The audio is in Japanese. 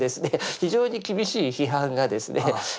非常に厳しい批判がですね。